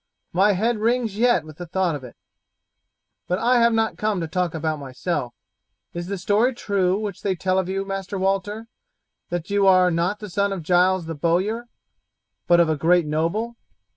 My head rings yet with the thought of it. But I have not come to talk about myself. Is the story true which they tell of you, Master Walter, that you are not the son of Giles the bowyer, but of a great noble?"